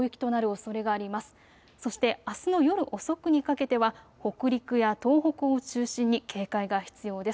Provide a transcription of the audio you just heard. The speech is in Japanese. そしてあすの夜遅くにかけては北陸や東北を中心に警戒が必要です。